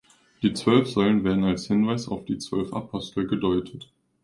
Die zwölf Säulen werden als Hinweis auf die zwölf Apostel gedeutet.